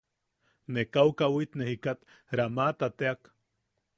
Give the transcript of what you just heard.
Ne kau kawit ne jikat ramaata teak.